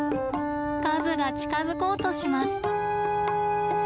和が近づこうとします。